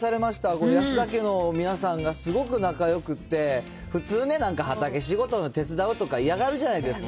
これ、安田家の皆さんがすごく仲よくって、普通ね、なんか畑仕事を手伝うとか嫌がるじゃないですか。